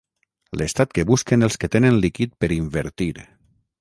L'estat que busquen els que tenen líquid per invertir.